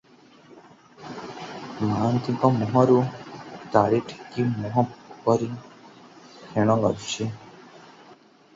ମହାନ୍ତିଙ୍କ ମୁହଁରୁ ତାଡ଼ିଠେକି ମୁହଁ ପରି ଫେଣ ଗାଜୁଛି ।